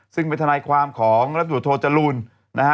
ซึ่งเป็นทนายความของรัฐตรวจโทจรูลนะฮะ